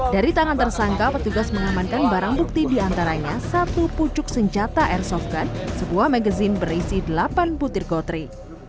dari tangan tersangka petugas mengamankan barang bukti diantaranya satu pucuk senjata airsoft gun sebuah magazine berisi delapan butir gotri